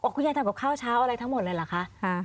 คุณยายทำกับข้าวเช้าอะไรทั้งหมดเลยเหรอคะ